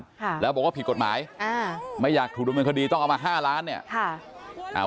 ค่ะแล้วบอกว่าผิดกฎหมายอ่าไม่อยากถูกต้องเอามา๕ล้านเนี่ยค่ะ